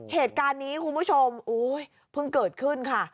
เหตุการณ์นี้คุณผู้ชมโอ้ยเพิ่งเกิดขึ้นค่ะ